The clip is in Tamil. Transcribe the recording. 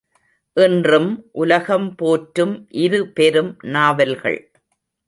இன்றும் உலகம் போற்றும் இரு பெரும் நாவல்கள்!